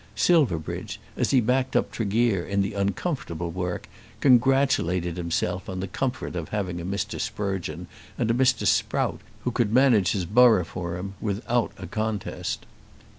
Silverbridge, as he backed up Tregear in the uncomfortable work, congratulated himself on the comfort of having a Mr. Sprugeon and a Mr. Sprout who could manage his borough for him without a contest.